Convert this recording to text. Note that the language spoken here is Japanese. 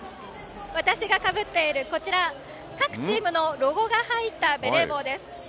私がかぶっているこちらは各チームのロゴが入ったベレー帽です。